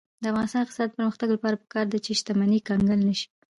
د افغانستان د اقتصادي پرمختګ لپاره پکار ده چې شتمني کنګل نشي.